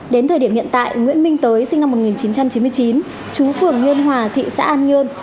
đến thời điểm hiện tại nguyễn minh tới sinh năm một nghìn chín trăm chín mươi chín chú phường nguyên hòa thị xã an nhơn